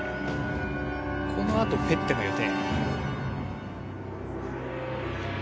この後フェッテの予定。